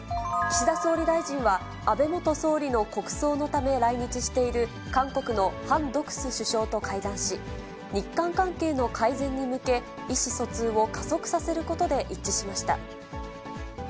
岸田総理大臣は、安倍元総理の国葬のため、来日している韓国のハン・ドクス首相と会談し、日韓関係の改善に向け、意思疎通を加速させることで一致しました。